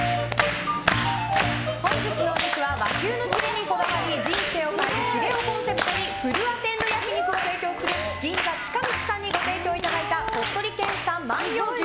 本日のお肉は和牛のヒレにこだわり人生を変えるヒレをコンセプトにフルアテンド焼き肉を提供する銀座ちかみつさんにご提供いただいた鳥取県産万葉牛